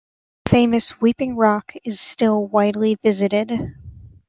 The famous "Weeping Rock" is still widely visited.